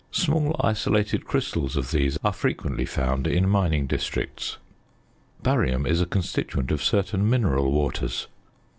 Small isolated crystals of these are frequently found in mining districts. Barium is a constituent of certain mineral waters.